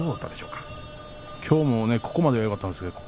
きょうも途中まではよかったんですけれどね。